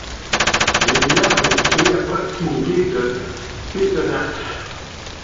Le village est situé à proximité de Pézenas.